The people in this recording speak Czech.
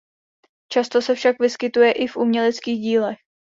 Často se však vyskytuje i v uměleckých dílech.